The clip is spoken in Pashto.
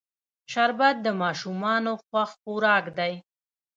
شربت د ماشومانو خوښ خوراک دی